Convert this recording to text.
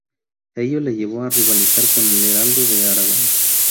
Ello le llevó a rivalizar con el "Heraldo de Aragón".